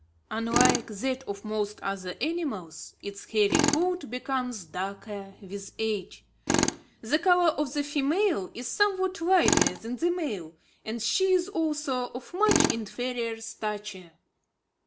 Unlike that of most other animals, its hairy coat becomes darker with age. The colour of the female is somewhat lighter than the male, and she is also of much inferior stature.